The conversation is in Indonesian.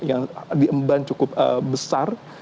yang diemban cukup besar